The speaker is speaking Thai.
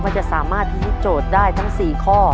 จะสามารถพิธีโจทย์ได้ทั้ง๔ข้อ